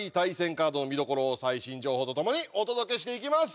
カード見どころを最新情報とともにお届けしていきます。